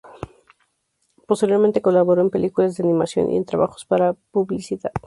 Posteriormente colaboró en películas de animación y en trabajos para publicidad.